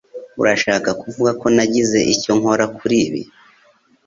Urashaka kuvuga ko nagize icyo nkora kuri ibi?